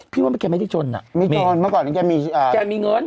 พี่ว่าแกไม่ได้จนอ่ะไม่จนเมื่อก่อนนี้แกมีแกมีเงิน